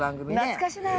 懐かしいな。